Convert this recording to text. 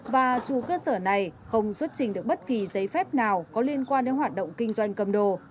và chủ cơ sở này không xuất trình được bất kỳ giấy phép nào có liên quan đến hoạt động kinh doanh cầm đồ